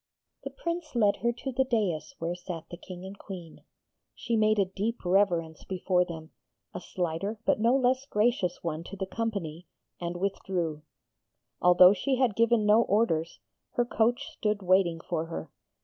The Prince led her to the daïs where sat the King and Queen. She made a deep reverence before them, a slighter but no less gracious one to the company, and withdrew. Although she had given no orders, her coach stood waiting for her.